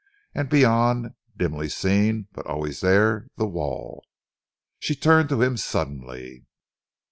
And beyond, dimly seen but always there, the wall. She turned to him suddenly.